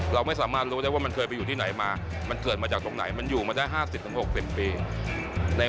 เราไม่สามารถรู้ได้ว่ามันเคยไปอยู่ที่ไหนมามันเกิดมาจากตรงไหนมันอยู่มาได้๕๐๖๐ปี